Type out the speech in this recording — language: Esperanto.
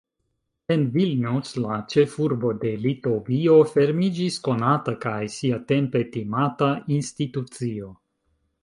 En Vilnius, la ĉefurbo de Litovio, fermiĝis konata – kaj siatempe timata – institucio.